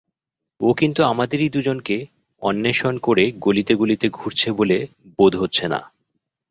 ও কিন্তু আমাদেরই দুজনকে অন্বেষণ করে গলিতে গলিতে ঘুরছে বলে বোধ হচ্ছে না।